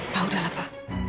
nah udahlah papa